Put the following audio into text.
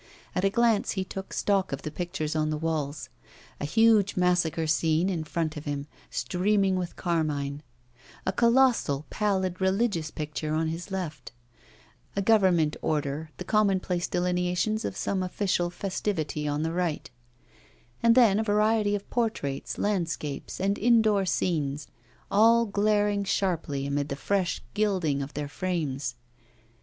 At a glance he took stock of the pictures on the walls: a huge massacre scene in front of him, streaming with carmine; a colossal, pallid, religious picture on his left; a Government order, the commonplace delineation of some official festivity, on the right; and then a variety of portraits, landscapes, and indoor scenes, all glaring sharply amid the fresh gilding of their frames.